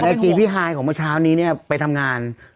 ไอจีพี่ฮายของเมื่อเช้านี้เนี่ยไปทำงาน